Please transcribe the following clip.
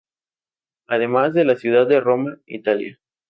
Además de la ciudad de Roma, Italia.